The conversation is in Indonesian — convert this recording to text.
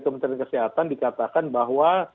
kementerian kesehatan dikatakan bahwa